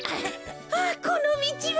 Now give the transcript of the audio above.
あっこのみちは！